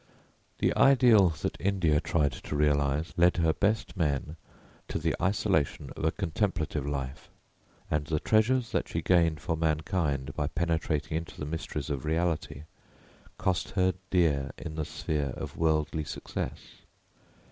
The ideal that India tried to realise led her best men to the isolation of a contemplative life, and the treasures that she gained for mankind by penetrating into the mysteries of reality cost her dear in the sphere of worldly success.